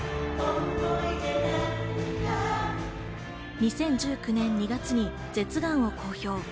２０１９年２月に舌がんを公表。